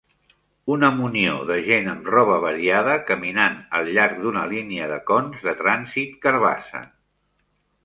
Una munió de gent amb roba variada caminant al llarg d'una línia de cons de trànsit carbassa.